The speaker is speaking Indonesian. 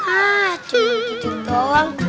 acuh gitu doang